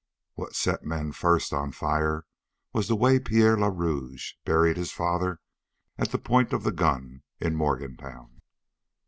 What set men first on fire was the way Pierre le Rouge buried his father "at the point of the gun" in Morgantown.